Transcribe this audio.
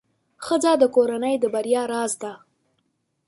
ښځه د کورنۍ د بریا راز ده.